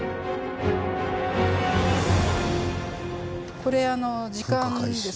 これ時間ですね。